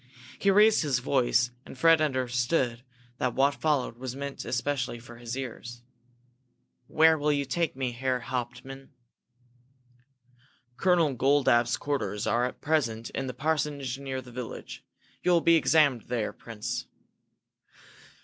He raised his voice, and Fred understood that what followed was meant especially for his ears. "Where will you take me, Herr Hauptmann?" "Colonel Goldapp's quarters are at present in the parsonage near the village. You will be examined there, Prince.